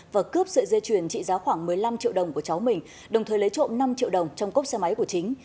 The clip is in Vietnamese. và cướp sợi dây chuyền trị giá khoảng một mươi năm triệu đồng của cháu mình đồng thời lấy trộm năm triệu đồng trong cốc xe máy của chính